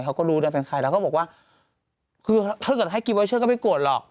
เขาก็ดูให้แฟนไครบ์แล้วก็บอกว่าคือถ้าเอากระดาษให้กิ๊บไวเชอร์ก็ไม่กวดหรอก